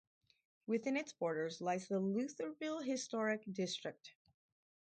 Within its borders lies the Lutherville Historic District.